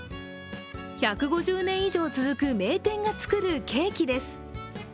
１５０年以上続く名店が作るケーキです。